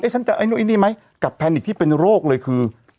ไอ้ฉันจะไอ้นี่ไหมกับแพนิกที่เป็นโรคเลยคือ